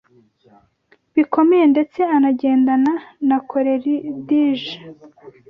bikomeye ndetse anagendana na Coleridige